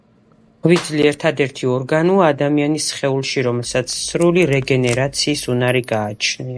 ღვიძლი ერთადერთი ორგანოა ადამიანის სხეულში, რომელსაც სრული რეგენერაციის უნარი გააჩნია.